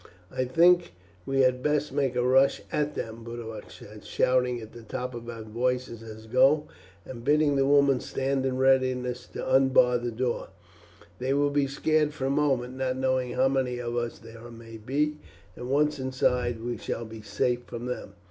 "I think we had best make a rush at them, Boduoc, shouting at the top of our voices as we go, and bidding the woman stand in readiness to unbar the door. They will be scared for a moment, not knowing how many of us there may be, and once inside we shall be safe from them."